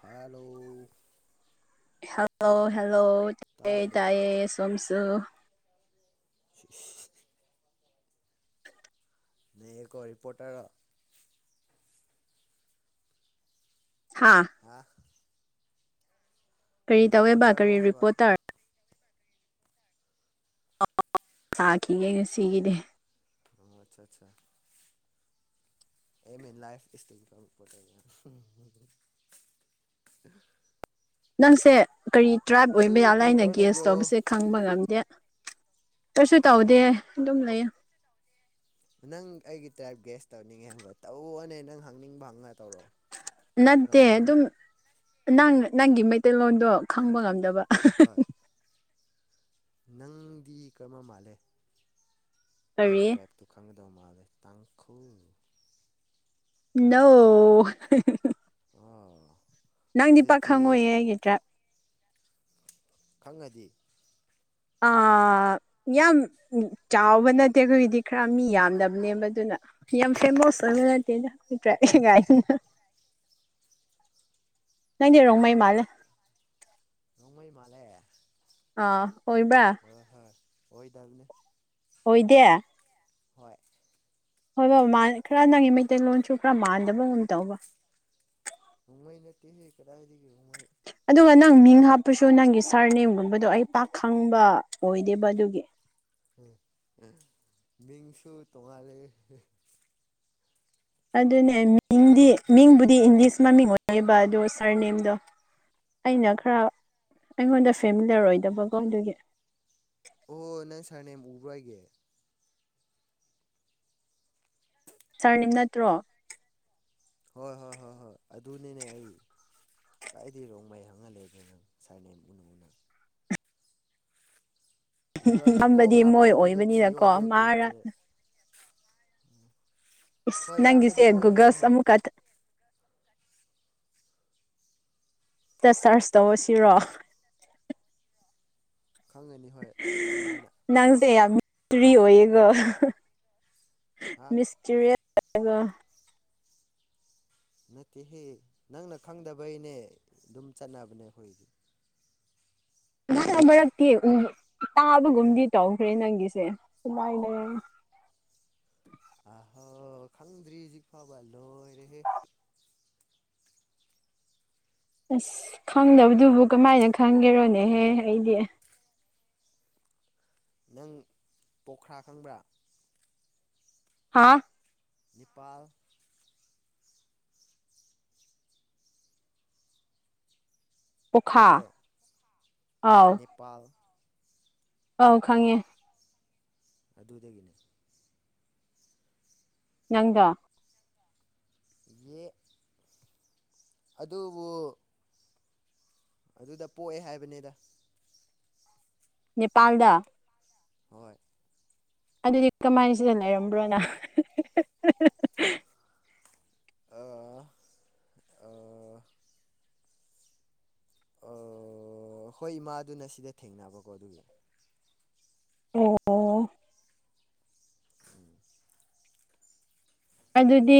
Hello hello hello [unintelligible] ꯇꯥꯗ꯭ꯔꯣ ꯇꯌꯦ ꯁꯣꯝꯁꯨ [unintelligible] ꯂꯩꯌꯦꯀꫭ ꯔꯤꯄꯣꯔꯇꫪ ꯍꯥꯥ ꯍꯥ ꯀꯔꯤ ꯇꯧꯋꯦꯕ ꯔꯤꯄꯣꯔꯇꯔꯔꯣ ꯀꯔꯤ ꯍꯥꯏꯕ ꯔꯤꯄꯣꯔꯇꯔ [unintelligible] ꯊꯥꯈꯤꯒꯦ ꯉꯁꯤꯒꯤꯗꯤ ꯑꯣ ꯑꯆꯥ ꯑꯆꯥ ꯑꯦ ꯃꯦꯟ ꯏꯟ ꯂꯥꯏꯐ [unintelligible] [inaudible] ꯅꯪꯁꯦ ꯀꯔꯤ ꯗ꯭ꯔꯥꯏꯕ ꯑꯣꯏꯕ ꯑꯗꯨ ꯌꯥꯂ ꯀꯔꯤ ꯇꯧꯔ ꯍꯥꯏꯅꯒꯦꯁ ꯂꯩꯕ꯭ꯔꯣ ꯇꯧꯕꯁꯦ ꯈꯪꯕ ꯉꯝꯗꯦ ꯀꯩꯁꯨ ꯇꯧꯗꯦ ꯑꯗꯨꯝ ꯂꯩ ꯅꯪ ꯑꯩꯒꯤ ꯇ꯭ꯔꯥꯏꯞ ꯒꯦꯁ ꯇꯧꯅꯤꯡꯉꯦ ꯍꯥꯏꯕ ꯇꯧꯔꯑꯣꯅꯦ ꯅꯪ ꯍꯪꯅꯤꯡꯕ ꯍꯪꯉ ꯇꯧꯔꯛꯑꯣ ꯅꯠꯇꯦ ꯉꯝꯃꯗꯤ ꯑꯗꯨꯝ ꯅꯪ ꯅꯪꯒꯤ ꯃꯩꯇꯩꯂꯣꯟꯗꯣ ꯈꯪꯕ ꯉꯝꯗꯕ ꯍꯣꯏ ꯅꯪꯗꯤ ꯀꯔꯝꯕ ꯃꯥꯜꯂꯦ ꯅꯣꯏ ꯀꯔꯤ ꯇ꯭ꯔꯥꯏꯞ ꯇꯨ ꯈꯪꯒꯗꯧ ꯃꯥꯜꯂꯦ ꯇꯥꯡꯈꯨꯜ ꯅꫭ [unintelligible] ꯑꯣ ꯅꯪꯗꯤ ꯄꯥꯛ ꯑꯗꯨꯗꯤ ꯈꯪꯉꯣꯏꯌꯦ ꯑꯩꯒꯤ ꯗ꯭ꯔꯥꯏꯕ ꯈꯪꯉꯗꯤ ꯑꯥ ꯌꯥꯝ ꯆꯥꯎꯕ ꯅꯠꯇꯦ ꯑꯩꯈꯣꯏꯒꯤꯗꯤ ꯈꯔ ꯃꯤ ꯌꯥꯝꯗꯕꯅꯦꯕ ꯑꯗꯨꯅ ꯌꯥꯝ ꯐꯦꯃꯁ ꯑꫭꯏꯕ ꯅꯠꯇꯦꯗ ꯑꯈꫭꯏ ꯇ꯭ꯔꯥꯏꯕ ꯒꯥꯏꯅ ꯅꯪꯗꯤ ꯔꫭꯡꯃꯩ ꯃꯥꯜꯂꯦ ꯅꯣꯡꯃꯩ ꯃꯥꯂꯦ ꯑ ꯑꯣꯏꯕ꯭ꯔ ꯍꫭꯏ ꯍꯣꯏ ꯑꯣꯏꯗꯕꯅꯤ ꯑꯣꯏꯗꯦ ꯍꯣꯏ ꯍꯣꯏ ꯕ ꯈꯔ ꯅꯪꯒꯤ ꯃꯩꯇꯩꯂꯣꯟꯁꯨ ꯈꯔ ꯃꯥꯟꯗꯕꯒꯨꯝ ꯇꯧꯕ ꯎꯪꯉꯩ ꯅꯠꯇꯦ ꯀꯗꯥꯥꯏꯗꯒꯤ ꯎꯡꯍꯩ ꯑꯗꯨꯒ ꯅꯪ ꯃꯤꯡ ꯍꯥꯞꯄꯁꯨ ꯅꯪꯒꯤ ꯁꯥꯔ ꯅꯦꯝꯒꯨꯝꯕꯗꯣ ꯑꯩ ꯄꯥꯛꯈꯪꯕ ꯑꯣꯏꯗꯦꯕ ꯑꯗꯨꯒꯤ [unintelligible] ꯃꯤꯡꯁꯨ ꯇꯣꯉꯥꯂꯦ ꯑꯗꯨꯅꯦ ꯃꯤꯡꯗꯤ ꯃꯤꯡꯕꯨꯗꯤ ꯏꯪꯂꯤꯁ ꯃꯃꯤꯡ ꯑꯣꯏꯅꯩꯕ ꯑꯗꯨ ꯁꯥꯔ ꯅꯦꯝꯗꯣ ꯑꯩꯅ ꯈꯔ ꯑꯩꯉꯣꯟꯗ ꯐꯦꯃꯤꯂꯔ ꯑꯣꯏꯗꯕꯀꯣ ꯑꯗꯨꯒꯤ ꯑꯣ ꯅꯪ ꯁꯥꯔꯅꯦꯝ ꯎꯕ꯭ꯔꯣ ꯑꯩꯒꯤ꯫ ꯁꯥꯔꯅꯦꯝ ꯅꯠꯇ꯭ꯔꯣ꯫ ꯍꯣꯏ ꯍꯣꯏ ꯍꯣꯏ ꯑꯗꯨꯅꯤꯅꯦ ꯑꯩ꯫ ꯀꯥꯏꯗꯩꯩ ꯔꯣꯡꯃꯩ ꯍꯪꯉꯥ ꯂꯩꯔꯤꯅꯣ ꯁꯥꯔ ꯅꯦꯝ ꯎꯅ ꯎꯅ꯫ ꯒꯨꯒꯜꯗ ꯀꯣꯛ ꯍꯝꯕꯗꯤ ꯍꯥꯄꯣ ꯃꯣꯏ ꯑꯗꯨꯗꯣ ꯊꯤꯌꯣ ꯑꯣꯏꯕꯅꯤꯅꯀꯣ ꯑꯗꯨ ꯀꯔꯤ ꯃꯥꯔ ꯆꯥ ꯏꯁ ꯍꯣꯏ ꯅꯪꯒꯤꯁꯦ ꯏꯌꯥꯝꯕꯗꯤ ꯃꯣꯏ ꯑꯣꯏꯌꯦ ꯒꯨꯒꯜꯁ ꯍꯣꯏ꯫ ꯑꯃꯨꯛꯀ ꯇꯦꯆꯔꯁ ꯇꯧꯔꯁꯤꯔꯣ꯫ ꯈꯪꯒꯅꯤ ꯍꯣꯏ ꯌꯥꯝ ꯂꯥꯏꯅ ꯅꯪꯖꯦ ꯌꯥꯝꯅ ꯐꯔꯤ ꯑꯣꯏꯌꯦꯒꯣ꯫ ꯍꯥ ꯃꯤꯁꯇꯔꯤꯌꯥꯁ ꯑꯒ꯫ ꯅꯠꯇꯦꯍꯦ ꯅꯪꯅ ꯈꯪꯗꯕꯩꯅꯦ ꯑꯗꯨꯝ ꯆꯠꯅꯕꯅꯦ ꯑꯩꯈꯣꯏꯒꯤꯗꯤ꯫ ꯅꯍꯥꯟ ꯃꯔꯛꯇꯤ ꯇꯥꯕꯒꯨꯝꯗꯤ ꯇꯧꯈ꯭ꯔꯦ ꯅꯪꯒꯤꯁꯦ [unintelligible] ꯑꯍꯣ ꯈꯪꯗ꯭ꯔꯤ ꯍꯧꯖꯤꯛ ꯐꯕ ꯂꯣꯏꯔꯦꯍꯦ ꯑꯁ ꯈꯪꯗꯕꯗꯨꯕꯨ ꯀꯃꯥꯏꯅ ꯈꯪꯒꯦꯔꯣꯅꯦꯍꯦ ꯑꯩꯗꯤ ꯅꯪ ꯄꯣꯛꯈ꯭ꯔꯥ ꯈꯪꯕ꯭ꯔꯥ ꯍꯥꯥ ꯅꯦꯄꯥꯜ ꯄꯣꯈꯥ ꯇꯥꯔꯕꯣ ꯅꯦꯄꯥꯜ ꯑꯥꯎ ꯈꯪꯉꯦ ꯑꯗꯨꯗꯒꯤꯅꯦ ꯅꯪꯗꯣ ꯌꯦ꯫ ꯑꯗꯨꯕꯨ꯫ ꯑꯗꯨꯗ ꯄꯣꯛꯑꯦ ꯍꯥꯏꯕꯅꯤꯗ꯫ ꯅꯦꯄꯥꯜꯗ꯫ ꯍꯣꯏ꯫ ꯑꯗꯨꯗꯤ ꯀꯃꯥꯏꯅ ꯁꯤꯗ ꯂꯩꯔꯝꯕ꯭ꯔꯣ ꯅꯪ꯫ ꯑꯥ꯫ ꯑꯣ ꯍꯣꯏ ꯏꯃꯥ ꯑꯗꯨꯅ ꯁꯤꯗ ꯊꯦꯡꯅꯕꯀꯣ ꯑꯗꯨꯒꯤ꯫ ꯑꯣ꯫ ꯑꯗꯨꯗꯤ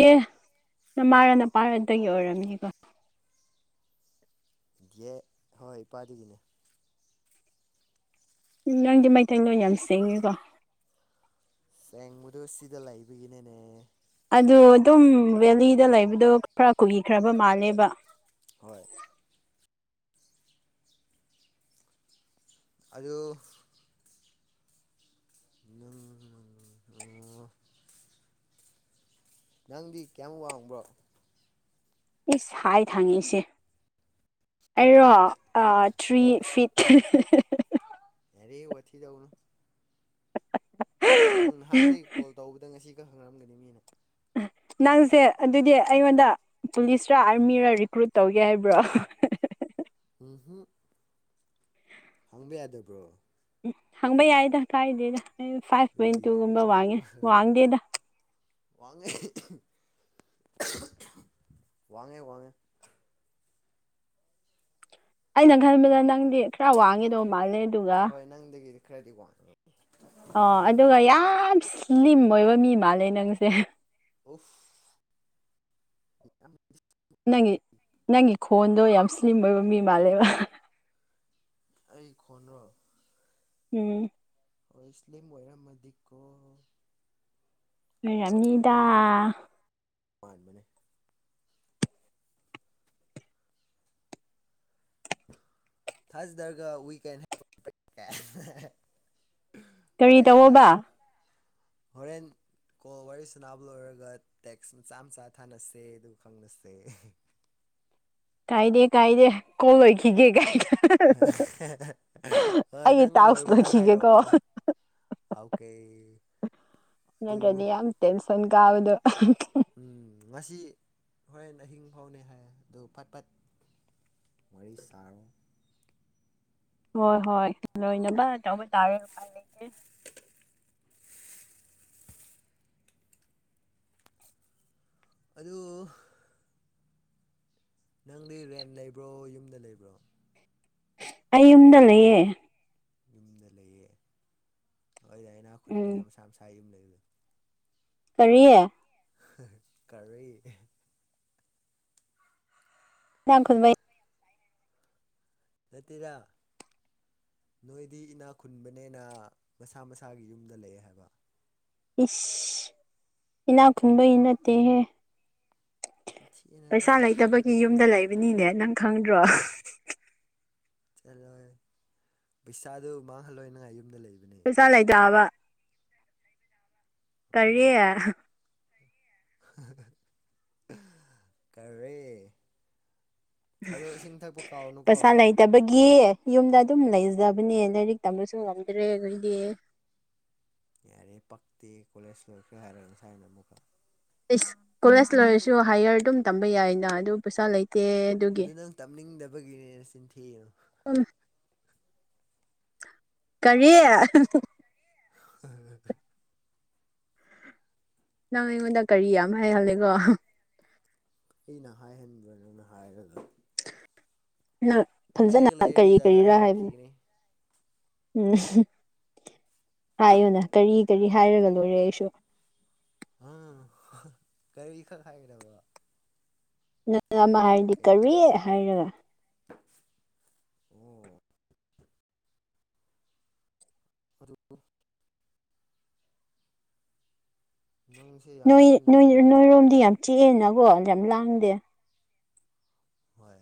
ꯅꯃꯥꯔ ꯅꯄꯥꯔꯗꯒꯤ ꯑꯣꯏꯔꯝꯅꯤꯀꯣ꯫ ꯌꯦ ꯍꯣꯏ ꯏꯄꯥꯗꯨꯒꯤꯅꯦ꯫ ꯎꯝ ꯅꯪꯗꯤ ꯃꯩꯇꯩꯂꯣꯟ ꯌꯥꯝ ꯁꯦꯡꯉꯦꯀꯣ꯫ ꯁꯦꯡꯕꯗꯨ ꯁꯤꯗ ꯂꯩꯕꯒꯤꯅꯦꯅꯦ꯫ ꯑꯗꯨ ꯑꯗꯨꯝ ꯕꯦꯂꯤꯗ ꯂꯩꯕꯗꯣ ꯈꯔ ꯀꯨꯏꯈ꯭ꯔꯕ ꯃꯥꯜꯂꯦꯕ꯫ ꯍꯣꯏ꯫ ꯑꯗꯨ꯫ ꯅꯨꯡ꯫ [inaudible] ꯅꯪꯗꯤ ꯀꯌꯥꯝꯃꯨꯛ ꯋꯥꯡꯕ꯭ꯔꯣ꯫ ꯏꯁ ꯍꯥꯏꯠ ꯍꯪꯉꯤꯁꯦ ꯑꯩꯔꯣ ꯊ꯭ꯔꯤ ꯍꯣꯏ ꯐꯤꯠ꯫ [unintelligible] ꯌꯥꯔꯦ ꯋꯥꯊꯤ ꯇꯧꯒꯅꯨ꯫ ꯅꯪ ꯅꯍꯥꯟꯗꯒꯤ ꯀꯣꯜ ꯇꯧꯕꯗ ꯉꯁꯤ ꯈꯛ ꯍꯪꯉꯛꯑꯝꯒꯅꯤ ꯃꯤꯅ꯫ ꯅꯪꯁꯦ ꯑꯗꯨꯗꯤ ꯑꯩꯉꯣꯟꯗ ꯄꯨꯂꯤꯁꯔ ꯑꯥꯔꯃꯤꯔ ꯔꯤꯀ꯭ꯔꯨꯠ ꯇꯧꯒꯦ ꯍꯥꯏꯕ꯭ꯔꯣ꯫ ꯎꯝꯍꯨꯝ꯫ ꯍꯪꯕ ꯌꯥꯗꯕ꯭ꯔꯣ꯫ ꯎꯝ ꯍꯪꯕ ꯌꯥꯏꯗ ꯀꯥꯏꯗꯦꯗ ꯑꯩ ꯐꯥꯏꯚ ꯄꯣꯏꯟ ꯑꯗꯨꯗꯤ ꯇꯨꯒꯨꯝꯕ ꯈꯨꯝꯃꯨꯅ ꯋꯥꯡꯉꯦ ꯋꯥꯡꯗꯦꯗ꯫ ꯋꯥꯡꯉꯦ ꯋꯥꯡꯉꯦ ꯋꯥꯡꯉꯦ꯫ ꯑꯩꯅ ꯈꯟꯕꯗ ꯅꯪꯗꯤ ꯈꯔ ꯋꯥꯡꯉꯤꯗꯧ ꯃꯥꯜꯂꯦ꯫ ꯑꯗꯨꯒ ꯍꯣꯏ ꯅꯪꯗꯒꯤꯗꯤ ꯈꯔꯗꯤ ꯋꯥꯡꯉꯦ꯫ ꯑꯣ ꯑꯗꯨꯒ ꯌꯥꯝ ꯁ꯭ꯂꯤꯝ ꯑꯣꯏꯕ ꯃꯤ ꯃꯥꯜꯂꯦ ꯅꯪꯁꯦ꯫ ꯑꯣꯐ ꯌꯥꯝ꯫ ꯅꯪꯒꯤ ꯅꯪꯒꯤ ꯈꯣꯟꯗꯣ ꯌꯥꯝ ꯁ꯭ꯂꯤꯝ ꯑꯣꯏꯕ ꯃꯤ ꯃꯥꯜꯂꯦꯕ꯫ ꯑꯩ ꯈꯣꯟꯗꯣ꯫ ꯎꯝ꯫ ꯍꯣꯏ ꯏꯁꯂꯤꯝ ꯑꯣꯏꯔꯝꯃꯗꯤꯀꯣ꯫ ꯀꯩꯔꯝꯅꯤꯗ꯫ ꯑꯩꯗꯤ ꯃꯥꯟꯕꯅꯦ꯫ ꯊꯥꯖꯗ꯭ꯔꯒ ꯋꯤ ꯀꯦꯟ꯫ [inaudible] ꯀꯔꯤ ꯍꯣꯔꯦꯟ ꯇꯧꯋꯣꯕ ꯑꯥꯗ ꯍꯣꯔꯦꯟ꯫ ꯀꯣꯜ ꯋꯥꯔꯤ ꯁꯥꯟꯅꯕ ꯂꯣꯏꯔꯒ ꯇꯦꯛꯁ ꯃꯆꯥ ꯃꯆꯥ ꯊꯥꯅꯁꯦ ꯑꯗꯨꯒ ꯈꯪꯂꯁꯦ꯫ ꯀꯥꯏꯗꯦ ꯀꯥꯏꯗꯦ ꯀꯣꯜ ꯂꯣꯏꯈꯤꯒꯦ ꯀꯥꯏꯗ꯫ ꯍꯣꯏ ꯑꯩꯒꯤ ꯅꯪ ꯇꯥꯛꯁ ꯂꯣꯏꯕꯗ ꯂꯣꯏꯈꯤꯒꯦꯀꯣ ꯍꯥꯏꯔꯛꯑꯣꯗ꯫ ꯑꯧꯀꯦ꯫ ꯅꯠꯇ꯭ꯔꯗꯤ ꯌꯥꯝ ꯇꯦꯟꯁꯟ ꯀꯥꯕꯗꯣ꯫ ꯎꯝ ꯉꯁꯤ ꯍꯣꯔꯦꯟ ꯑꯍꯤꯡ ꯐꯥꯎꯅꯤ ꯍꯥꯏꯌꯦ ꯑꯗꯨ ꯐꯠ ꯐꯠ꯫ ꯋꯥꯔꯤ ꯁꯥꯔꯣ꯫ ꯍꯣꯏ ꯍꯣꯏ ꯂꯣꯏꯅꯕ ꯇꯧꯕ ꯇꯥꯔꯦ꯫ ꯂꯩꯇꯦ ꯑꯗꯨ꯫ ꯅꯪꯗꯤ ꯔꯦꯟ ꯂꯩꯕ꯭ꯔꯣ ꯌꯨꯝꯗ ꯂꯩꯕ꯭ꯔꯣ꯫ ꯑꯩ ꯌꯨꯝꯗ ꯂꯩꯌꯦ꯫ ꯌꯨꯝꯗ ꯂꯩꯌꯦ ꯍꯣꯏꯗ ꯏꯅꯥꯛ ꯎꯝ ꯈꯨꯟꯕꯅꯤꯅ ꯃꯁꯥ ꯃꯁꯥ ꯌꯨꯝ ꯂꯩꯕꯗꯣ꯫ ꯀꯔꯤ꯫ ꯀꯔꯤ꯫ [unintelligible] ꯏꯅꯥꯛꯈꯨꯟꯕꯒꯤ꯫ ꯂꯦꯠꯇꯦꯗ꯫ ꯅꯣꯏꯗꯤ ꯏꯅꯥ ꯈꯨꯟꯕꯅꯦꯅ ꯃꯁꯥ ꯃꯁꯥꯒꯤ ꯌꯨꯝꯗ ꯂꯩꯑꯦ ꯍꯥꯏꯕ꯫ ꯏꯁ ꯏꯅꯥꯛ ꯈꯨꯟꯕꯒꯤ ꯅꯠꯇꯦꯍꯦ꯫ ꯆꯤꯟꯊꯤꯋꯦ꯫ ꯄꯩꯁꯥ ꯂꯩꯇꯕꯒꯤ ꯌꯨꯝꯗ ꯂꯩꯕꯅꯤꯅꯦ ꯅꯪ ꯈꯪꯗ꯭ꯔꯣ꯫ ꯆꯠꯂꯣꯏꯍꯦ ꯄꯩꯁꯥꯗꯨ ꯃꯥꯡꯍꯜꯂꯣꯏꯅ ꯌꯨꯝꯗ ꯂꯩꯕ ꯄꯩꯁꯥ ꯂꯩꯇꯥꯕ꯫ ꯀꯔꯤ꯫ ꯀꯔꯤ꯫ ꯀꯥꯎꯅꯨꯀꯣ ꯄꯩꯁꯥ ꯂꯩ ꯂꯩꯇꯕꯒꯤ ꯌꯨꯝꯗ ꯑꯗꯨꯝ ꯂꯩꯖꯕꯅꯦ ꯂꯥꯏꯔꯤꯛ ꯇꯝꯕꯁꯨ ꯉꯝꯗ꯭ꯔꯦ ꯑꯩꯈꯣꯏꯗꯤ꯫ ꯌꯥꯔꯦ ꯄꯛꯇꯦ ꯀꯣꯂꯦꯖ ꯂꯣꯏꯈ꯭ꯔꯦ ꯍꯥꯏꯔꯒ ꯉꯁꯥꯏꯅ ꯑꯃꯨꯛꯀ꯫ ꯀꯣꯂꯦꯖ ꯂꯣꯏꯔꯁꯨ ꯍꯥꯏꯌꯔ ꯑꯗꯨꯝ ꯇꯝꯕ ꯌꯥꯏꯅ ꯑꯗꯨ ꯄꯩꯁꯥ ꯂꯩꯇꯦ꯫ ꯑꯗꯨꯒꯤ ꯑꯗꯨ ꯅꯪ ꯇꯞꯅꯤꯡꯗꯕꯒꯤꯅꯦꯅ ꯆꯤꯟꯊꯤꯒꯅꯨ꯫ [inaudible] ꯀꯔꯤ꯫ [unintelligible] ꯅꯪ ꯑꯩꯉꯣꯟꯗ ꯀꯔꯤ ꯌꯥꯝ ꯍꯥꯏꯍꯟꯂꯦꯀꯣ꯫ ꯑꯩꯅ ꯍꯥꯏꯍꯟꯕꯔꯣ ꯅꯪꯅ ꯍꯥꯏꯔꯒ꫰꫰ ꯅꯪ ꯐꯖꯅ ꯑꯩꯒ ꯂꯩꯔꯗꯤ ꯀꯔꯤ ꯖꯥꯠ ꯖꯥꯠ ꯀꯔꯤꯔꯥ ꯍꯥꯏꯕꯅꯤ꯫ ꯍꯥꯏꯔꯛꯈꯤꯒꯅꯤ ꯎꯝ ꯍꯥꯏꯌꯣꯅ ꯀꯔꯤ ꯀꯔꯤ ꯍꯥꯏꯔꯒ ꯂꯣꯏꯔꯦ ꯑꯩꯁꯨ꫰꫰ ꯀꯔꯤ ꯈꯛ ꯍꯥꯏꯒꯗꯕ꯫ ꯅꯪ ꯑꯃ ꯍꯥꯏꯔꯗꯤ ꯀꯩꯒꯤꯅꯣ ꯀꯔꯤꯏ ꯍꯥꯏꯔꯒ꯫ ꯑꯣ꯫ ꯑꯗꯨ꯫ ꯅꯪꯁ ꯅꯣꯏ ꯅꯣꯏꯔꯣꯝꯗꯤ ꯌꯥꯝ ꯆꯦꯛꯛꯑꯦꯅꯀꯣ ꯌꯥꯝ ꯂꯥꯡꯗꯦ꯫ ꯍꯣꯏ꯫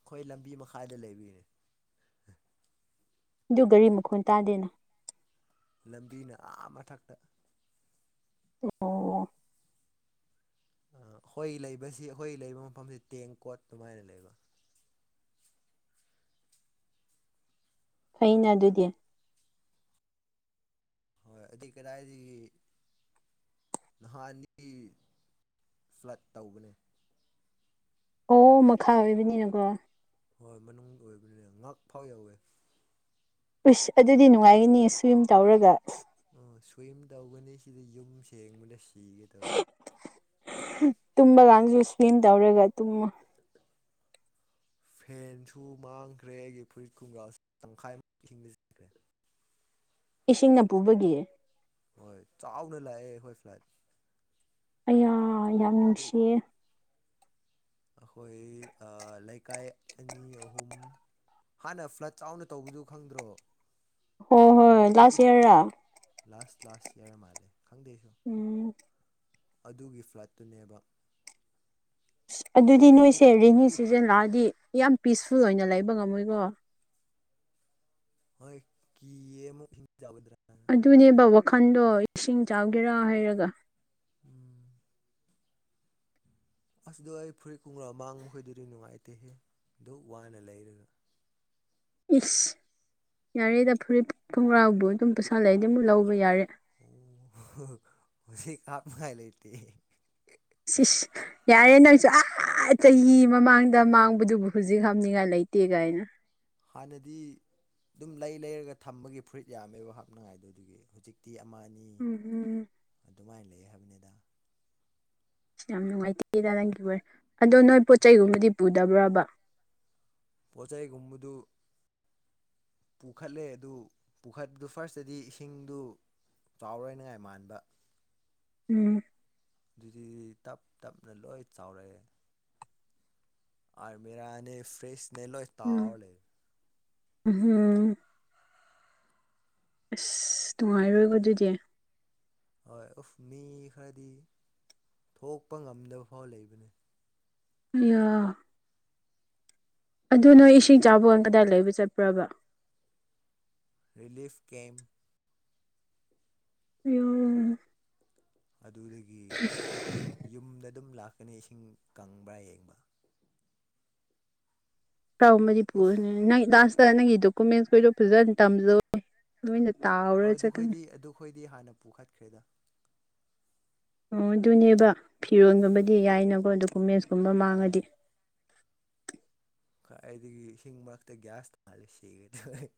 ꯑꯩꯈꯣꯏ ꯂꯝꯕꯤ ꯃꯈꯥꯏꯗ ꯂꯩꯕꯒꯤꯅꯦ꯫ ꯑꯗꯨ ꯒꯥꯔꯤ ꯃꯈꯣꯟ ꯇꯥꯗꯦꯅ꯫ ꯂꯝꯕꯤꯅ ꯑꯥ ꯃꯊꯛꯇ꯫ ꯑꯣ꯫ ꯑꯩꯈꯣꯏ ꯂꯩꯕꯁꯤ ꯑꯩꯈꯣꯏ ꯂꯩꯕ ꯃꯐꯝꯁꯤ ꯇꯦꯡꯀꯣꯠ ꯑꯗꯨꯃꯥꯏꯅ ꯂꯩꯕ꯫ ꯐꯩꯅ ꯑꯗꯨꯗꯤ꯫ ꯍꯣꯏ ꯑꯗꯨꯏ ꯀꯗꯥꯏꯗꯒꯤ꯫ ꯅꯍꯥꯟꯅꯤ ꯐ꯭ꯂꯠ ꯇꯧꯕꯅꯦ꯫ ꯑꯣ ꯃꯈꯥ ꯑꯣꯏꯕꯅꯤꯅꯀꯣ꯫ ꯍꯣꯏ ꯃꯅꯨꯡ ꯑꯣꯏꯕꯅꯤꯅ ꯉꯛ ꯐꯥꯎ ꯌꯥꯎꯋꯦ꯫ ꯎꯁ ꯑꯗꯨꯗꯤ ꯅꯨꯡꯉꯥꯏꯒꯅꯤ ꯁ꯭ꯋꯤꯝ ꯇꯧꯔꯒ꯫ ꯑꯣ ꯁ꯭ꯋꯤꯝ ꯇꯧꯒꯅꯤ ꯁꯤꯗ ꯌꯨꯝ ꯁꯦꯡꯕꯗ ꯁꯤꯒꯦ ꯇꯧꯋꯦ꯫ ꯇꯨꯝꯃ ꯀꯥꯡꯁꯨ ꯁ꯭ꯋꯤꯝ ꯇꯧꯔꯦꯕ ꯇꯨꯝꯃꯅ꯫ ꯐꯦꯟꯁꯨ ꯃꯥꯡꯈ꯭ꯔꯦ ꯑꯩꯒꯤ ꯐꯨꯔꯤꯠ ꯀꯨꯝꯒ꯭ꯔꯥ ꯇꯪꯈꯥꯏꯃꯨ ꯈ꯭ꯔꯦ꯫ ꯏꯁꯤꯡꯅ ꯄꯨꯕꯒꯤ꯫ ꯍꯣꯏ ꯆꯥꯎꯅ ꯂꯥꯛꯑꯦ ꯍꯈꯣꯏ ꯐ꯭ꯂꯥꯏꯠ꯫ ꯑꯩꯌꯥ ꯌꯥꯝ ꯅꯨꯡꯁꯤꯌꯦ꯫ ꯑꯩꯈꯣꯏ ꯂꯩꯀꯥꯏ ꯑꯅꯤ ꯑꯍꯨꯝ꯫ ꯍꯥꯟꯅ ꯐ꯭ꯂꯠ ꯆꯥꯎꯅ ꯇꯧꯕꯗꯨ ꯈꯪꯗ꯭ꯔꯣ꯫ ꯍꯣ ꯍꯣꯏ ꯂꯥꯁ ꯏꯌꯥꯔꯥ꯫ ꯂꯥꯁ ꯂꯥꯁ ꯏꯌꯥꯔ ꯃꯥꯜꯂꯦ ꯈꯪꯗꯦ ꯑꯩꯁꯨ ꯎꯝ ꯑꯗꯨꯒꯤ ꯐ꯭ꯂꯠꯇꯨꯅꯦꯕ꯫ ꯑꯁ ꯑꯗꯨꯗꯤ ꯅꯣꯏꯁꯦ ꯔꯦꯅꯤ ꯁꯤꯖꯟ ꯂꯥꯛꯑꯗꯤ ꯌꯥꯝ ꯄꯤꯁꯐꯨꯜ ꯑꯣꯏꯅ ꯂꯩꯕ ꯉꯝꯃꯣꯏꯀꯣ꯫ ꯍꯣꯏ ꯀꯤꯌꯦ ꯑꯃꯨꯛ ꯏꯁꯤꯡ ꯆꯥꯎꯒꯗ꯭ꯔꯥꯅ꯫ ꯑꯗꯨꯅꯦꯕ ꯋꯥꯈꯟꯗꯣ ꯏꯁꯤꯡ ꯆꯥꯎꯒꯦꯔꯥ ꯍꯥꯏꯔꯒ꯫ ꯎꯝ꯫ ꯑꯁ ꯑꯗꯣ ꯑꯩ ꯐꯨꯔꯤꯠ ꯀꯨꯡꯒ꯭ꯔꯥꯎ ꯑꯃꯥꯡ ꯃꯈꯩꯗꯨꯗꯤ ꯅꯨꯡꯉꯥꯏꯇꯦꯍꯦ ꯑꯗꯨ ꯋꯥꯅ ꯂꯩꯔꯒ꯫ ꯏꯁ ꯌꯥꯔꯦꯗ ꯐꯨꯔꯤꯠ ꯐꯣꯡꯒ꯭ꯔꯥꯎꯕꯨ ꯑꯗꯨꯝ ꯄꯁꯥꯂꯩꯔꯗꯤ ꯑꯃꯨꯛ ꯂꯧꯕ ꯌꯥꯔꯦ꯫ ꯑꯣ ꯍꯧꯖꯤꯛ ꯀꯥꯞꯅ ꯉꯥꯏ ꯂꯩꯇꯦ꯫ ꯁꯤꯁ꯫ ꯌꯥꯔꯦ ꯅꯪꯁꯨ ꯑꯍꯥ ꯆꯍꯤ ꯃꯃꯥꯡꯗ ꯃꯥꯡꯕꯗꯨꯕꯨ ꯍꯧꯖꯤꯛ ꯍꯅꯤꯡꯉꯥꯏ ꯂꯩꯇꯦ ꯀꯥꯏꯅ꯫ ꯍꯥꯟꯅꯗꯤ꯫ ꯑꯗꯨꯝ ꯂꯩ ꯂꯩꯔꯒ ꯊꯝꯕꯒꯤ ꯐꯨꯔꯤꯠ ꯌꯥꯝꯃꯦꯕ ꯍꯥꯞꯅꯉꯥꯏꯗꯣ ꯑꯗꯨꯒꯤ ꯍꯧꯖꯤꯛꯇꯤ ꯑꯃ ꯑꯅꯤ꯫ ꯎꯝ ꯍꯨꯝ꯫ ꯑꯗꯨꯃꯥꯏꯅ ꯂꯩꯌꯦ ꯍꯥꯏꯕꯅꯤꯗ꯫ ꯑꯁ ꯌꯥꯝ ꯅꯨꯡꯉꯥꯏꯇꯦꯗ ꯅꯪꯒꯤ ꯋꯥꯔꯤ ꯑꯗꯣ ꯅꯣꯏ ꯄꯣꯠ ꯆꯩꯒꯨꯝꯕꯗꯤ ꯄꯨꯗꯕ꯭ꯔꯕ꯫ ꯄꯣꯠ ꯆꯩꯩꯒꯝꯗꯨ꯫ ꯄꯨꯈꯠꯂꯦ ꯑꯗꯨ ꯄꯨꯈꯠꯄꯗꯨ ꯐꯥꯔꯁꯇꯗꯤ ꯏꯁꯤꯡꯗꯨ ꯆꯥꯎꯔꯣꯏꯅꯉꯥꯏ ꯃꯥꯟꯕ꯫ ꯎꯝ꯫ ꯑꯗꯨꯗꯤ ꯇꯞ ꯇꯞꯅ ꯂꯣꯏ ꯆꯥꯎꯔꯛꯑꯦ꯫ ꯑ ꯃꯦꯔꯥ ꯐ꯭ꯔꯤꯁꯅꯦ ꯂꯣꯏ꯫ ꯎꯝ ꯇꯥꯎꯔ ꯂꯩ ꯎꯝꯍꯨꯝ꯫ ꯑꯁ ꯅꯨꯡꯉꯥꯏꯔꯣꯏꯕꯣ ꯑꯗꯨꯗꯤ꯫ ꯍꯣꯏ ꯎꯐ ꯃꯤ ꯈꯔꯗꯤ ꯊꯣꯛꯄ ꯉꯝꯗꯕ ꯐꯥꯎ ꯂꯩꯕꯅꯤ꯫ ꯑꯩꯌꯥ꯫ ꯑꯗꯨ ꯅꯣꯏ ꯏꯁꯤꯡ ꯆꯥꯎꯕ ꯀꯥꯟ ꯀꯗꯥꯏ ꯂꯩꯕ ꯆꯠꯄ꯭ꯔꯕ꯫ ꯔꯤꯂꯤꯐ ꯀꯦꯝ꯫ [inaudible] ꯑꯗꯨꯗꯒꯤ ꯌꯨꯝꯗ ꯑꯗꯨꯝ ꯂꯥꯛꯀꯅꯤ ꯏꯁꯤꯡ ꯀꯪꯕ꯭ꯔꯥ ꯌꯦꯡꯕ ꯇꯥꯎꯕꯗꯤ ꯄꯨꯔ ꯎꯐ ꯅꯪ ꯂꯥꯁꯇ ꯅꯪꯒꯤ ꯗꯣꯀꯨꯃꯦꯟꯁ ꯈꯣꯏꯗꯣꯛ ꯐꯖꯅ ꯇꯝꯖꯧ ꯂꯣꯏꯅ ꯇꯥꯎ ꯍꯣꯢ ꯑꯗꯨꯈꯣꯏꯗꯤ ꯑꯗꯨꯈꯣꯏꯗꯤ ꯍꯥꯟꯅ ꯄꯨꯈꯠꯈ꯭ꯔꯦꯗ ꯑꯣ ꯑꯗꯨꯅꯦꯕ ꯐꯤꯔꯣꯟꯒꯨꯝꯕꯗꯤ ꯌꯥꯏꯅꯀꯣ ꯗꯣꯀꯨꯃꯦꯟꯁ ꯀꯨꯝꯕ ꯍꯣꯏ ꯃꯥꯡꯉꯗꯤ ꯈꯥꯏꯗꯒꯤ ꯏꯁꯤꯡ ꯃꯔꯛꯇ ꯒ꯭ꯌꯥꯁ ꯊꯥꯜꯂ ꯁꯤꯒꯗꯧꯔꯦ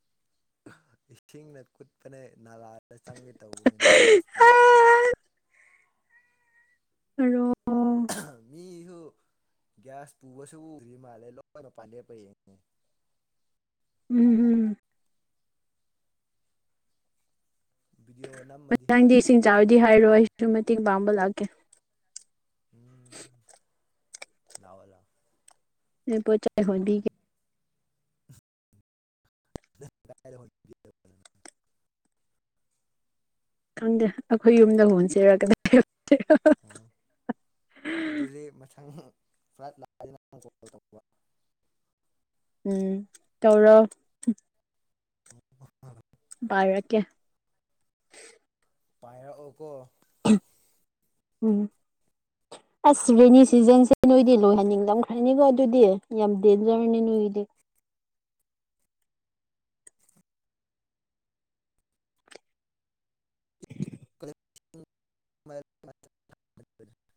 ꯏꯁꯤꯡꯅ ꯀꯨꯠꯄꯅꯦ ꯅꯥꯂꯥꯗ ꯆꯪꯒꯦ ꯇꯧꯕꯅꯤꯅꯦ ꯒ꯭ꯌꯥꯁ ꯄꯨꯔ ꯆꯠꯄꯗ [unintelligible] ꯃꯤꯍꯨ ꯒ꯭ꯌꯥꯁ ꯄꯨꯕꯁꯨ ꯎꯗ꯭ꯔꯤ ꯃꯥꯜꯂꯦ ꯂꯣꯏꯅ ꯄꯥꯟ ꯂꯦꯞꯄ ꯌꯦꯡꯉꯅꯦ ꯎꯝ ꯎꯝ ꯕꯤꯗꯤꯑꯣ꯫ ꯃꯥꯊꯪꯗꯤ ꯏꯁꯤꯡ ꯆꯥꯎꯔꯗꯤ ꯍꯥꯏꯔꯣ ꯑꯩꯁꯨ ꯃꯇꯦꯡ ꯄꯥꯡꯕ ꯂꯥꯛꯀꯦ꯫ ꯎꯝ ꯂꯑꯣ ꯂꯑꯣ꯫ ꯅꯣꯏ ꯄꯣ ꯆꯩ ꯍꯣꯟꯕꯤꯒꯦ꯫ [inaudible] ꯈꯪꯗꯦ ꯑꯩꯈꯣꯏ ꯌꯨꯝꯗ ꯍꯣꯟꯁꯤꯔ ꯀꯗꯥꯏꯗ ꯍꯣꯟꯁꯤꯔ꯫ ꯑꯣ ꯑꯗꯨꯗꯤ ꯃꯊꯪ ꯐ꯭ꯂꯥꯏꯠ ꯂꯥꯛꯑꯗꯤ ꯅꯪ [inaudible] ꯎꯝ ꯇꯧꯔꯣ꫰꫰ ꯕꯥꯔꯛꯀꯦ꯫ ꯄꯥꯏꯔꯛꯑꯣꯀꯣ ꯎꯝ ꯑꯁ ꯔꯦꯅꯤ ꯁꯤꯖꯟꯁꯦ ꯅꯣꯏꯗꯤ ꯂꯣꯏꯍꯟꯅꯤꯡꯉꯝꯈ꯭ꯔꯅꯤꯀꯣ ꯑꯗꯨꯗꯤ ꯌꯥꯝ ꯗꯦꯟꯖꯔꯅꯤ ꯅꯣꯏꯒꯤꯗꯤ [unintelligible]